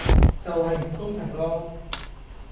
就係唔公平囉